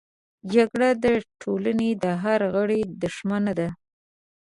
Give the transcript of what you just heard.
جګړه د ټولنې د هر غړي دښمنه ده